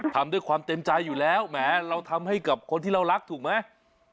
ทำด้วยความเต็มใจอยู่แล้วแหมเราทำให้กับคนที่เรารักถูกไหม